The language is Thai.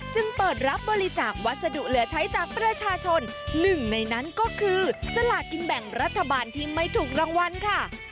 จึงเปิดรับบริจาควัสดุเหลือใช้จากประชาชนหนึ่งในนั้นก็คือสลากินแบ่งรัฐบาลที่ไม่ถูกรางวัลค่ะ